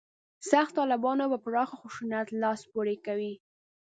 «سخت طالبانو» په پراخ خشونت لاس پورې کوي.